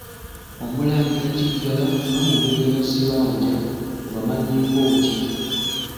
Omulangira Kiggala n'omumbejja Nazibanja obamanyiiko ki?